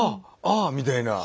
あ！みたいな。